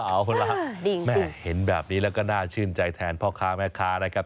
เอาล่ะแม่เห็นแบบนี้แล้วก็น่าชื่นใจแทนพ่อค้าแม่ค้านะครับ